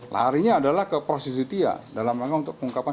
larinya adalah ke proses jutia dalam langkah untuk pengungkapan